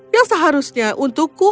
yang seharusnya untukku